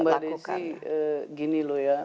mbak desi gini loh ya